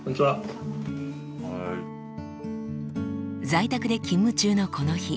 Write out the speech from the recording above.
在宅で勤務中のこの日。